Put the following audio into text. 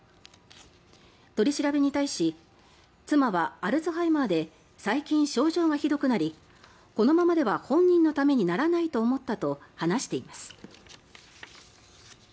取り調べに対し妻はアルツハイマーで最近、症状がひどくなりこのままでは本人のためにならないと思ったと話しています。